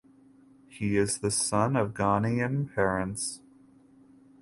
He is the son of Ghanaian parents.